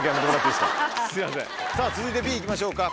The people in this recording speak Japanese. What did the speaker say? さぁ続いてＢ行きましょうか。